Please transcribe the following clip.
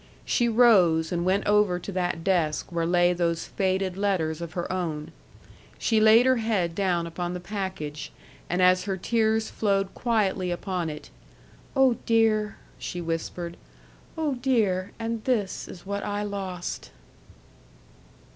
She rose, and went over to that desk where lay those faded letters of her own. She laid her head down upon the package, and as her tears flowed quietly upon it, "O dear," she whispered, "O dear! And this is what I lost!"